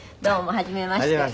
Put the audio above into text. はじめまして。